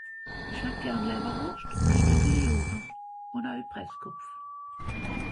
Isch hätt Garn Lawerwurscht un e Steckel Lyoner un au Presskopf